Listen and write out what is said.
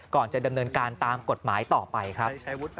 ก่อนจะดำเนินการตามกฎหมายต่อไปครับ